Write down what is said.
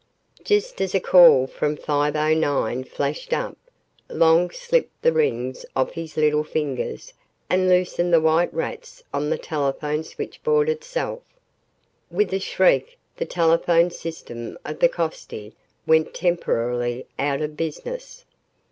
Just as a call from "509" flashed up, Long slipped the rings off his little fingers and loosened the white rats on the telephone switchboard itself. With a shriek, the telephone system of the Coste went temporarily out of business.